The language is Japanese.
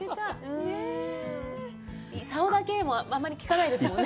さおだけもあんまり聞かないですよね。